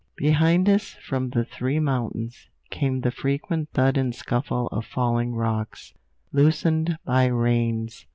Behind us, from the three mountains, came the frequent thud and scuffle of falling rocks, loosened by rains.